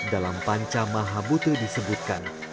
dalam panca mahabutri disebutkan